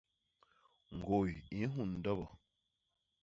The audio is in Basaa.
Ñgôy i nhun ndobo.